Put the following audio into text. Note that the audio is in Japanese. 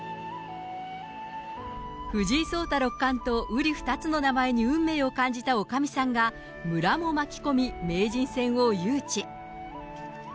藤井聡太六冠とうり二つの名前に運命を感じたおかみさんが村も巻き込み、名人戦を誘致。